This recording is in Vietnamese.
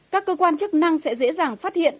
các cơ quan chức năng sẽ dễ dàng phát hiện